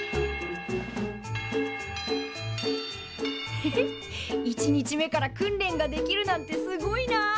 ヘヘッ１日目から訓練ができるなんてすごいな！